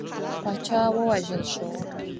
پاچا وژل شوی دی.